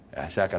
ya saya akan tanya